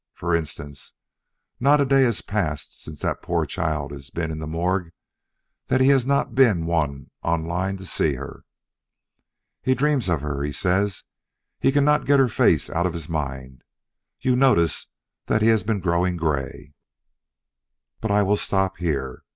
For instance, not a day has passed since that poor child has been in the morgue that he has not been one on the line to see her. He dreams of her, he says; he cannot get her face out of his mind you notice that he has been growing gray. "But I will stop here.